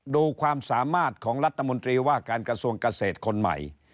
ดูความสามารถของรัฐมนตรีว่าการกระทรวงเกษตรคนใหม่